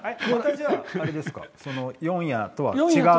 四夜とは違う？